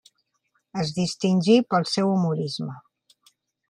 Es distingí pel seu humorisme.